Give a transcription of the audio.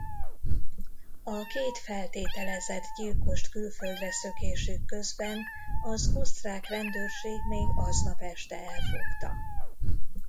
A két feltételezett gyilkost külföldre szökésük közben az osztrák rendőrség még aznap este elfogta.